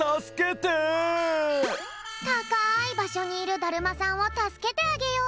たかいばしょにいるだるまさんをたすけてあげよう！